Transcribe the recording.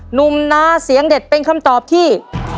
นุ่มนาเสียงเด็ดเป็นคำตอบที่